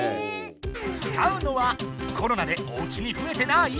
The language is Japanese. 使うのはコロナでおうちに増えてない？